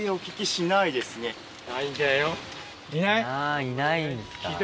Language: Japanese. あいないんですか。